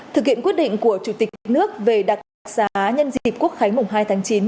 thực hiện quyết định của chủ tịch nước về đặc xá nhân dịp quốc khánh mùng hai tháng chín